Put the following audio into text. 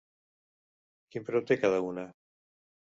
Quin preu té cada una?